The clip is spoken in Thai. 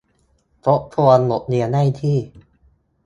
ทบทวนบทเรียนได้ที่